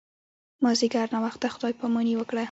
مازیګر ناوخته خدای پاماني وکړه.